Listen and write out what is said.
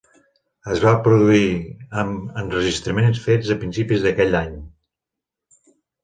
Es va produir amb enregistraments fets a principis d'aquell any.